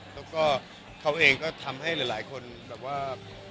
แล้วก็เขาเองก็ทำให้หลายคนแบบว่า